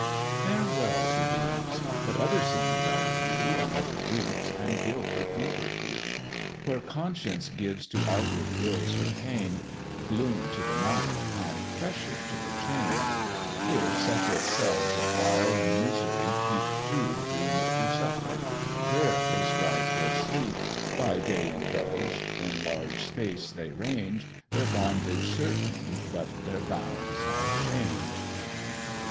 Farewell to these; but other scenes I view, And other griefs, and guilt of deeper hue; Where Conscience gives to outward ills her pain, Gloom to the night, and pressure to the chain: Here separate cells awhile in misery keep Two doom'd to suffer: there they strive for sleep; By day indulged, in larger space they range, Their bondage certain, but their bounds have change.